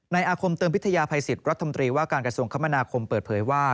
อาคมเติมพิทยาภัยสิทธิ์รัฐมนตรีว่าการกระทรวงคมนาคมเปิดเผยว่า